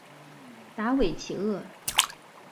达韦齐厄。